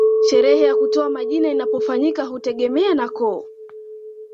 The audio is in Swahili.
Sherehe ya kutoa majina inapofanyika hutegemea na koo